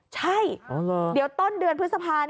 ใช่เดี๋ยวต้นเดือนพฤษภา